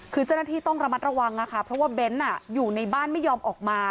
คือเจ้าหน้าที่ต้องระมัดระวังนะคะเพราะว่าเบ้นอยู่ในบ้านไม่ยอมออกมา